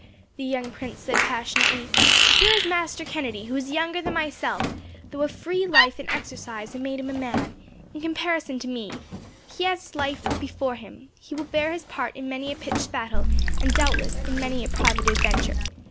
the young prince said, passionately. "Here is Master Kennedy, who is younger than myself, though a free life and exercise have made him a man, in comparison to me. He has his life before him. He will bear his part in many a pitched battle, and, doubtless, in many a private adventure.